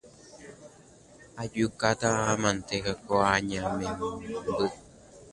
Ajukátamante ko añamemby